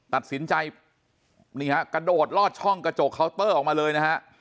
ตัดสินใจนี่ฮะกระโดดลอดช่องกระจกเคาน์เตอร์ออกมาเลยนะฮะ